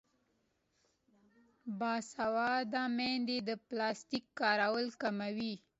باسواده میندې د پلاستیک کارول کموي.